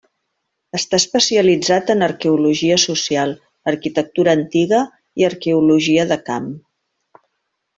Està especialitzat en arqueologia social, arquitectura antiga i arqueologia de camp.